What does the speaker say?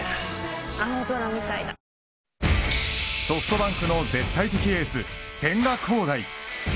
ソフトバンクの絶対的エース千賀滉大。